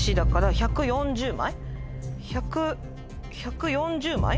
１４０枚。